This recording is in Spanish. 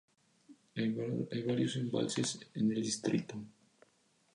Hay varios embalses en el distrito.